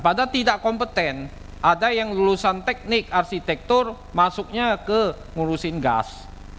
padahal tidak kompeten ada yang lulusan teknik arsitektur masuknya ke ngurusin gas